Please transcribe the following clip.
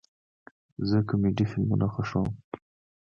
زه کامیډي فلمونه خوښوم